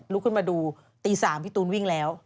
ขึ้นมาดูตี๓พี่ตูนวิ่งแล้ว